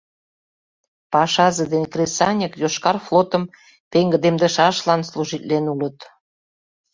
Пашазе ден кресаньык йошкар флотым пеҥгыдемдышашлан служитлен улыт.